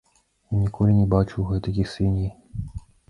Ён ніколі не бачыў гэтакіх свіней.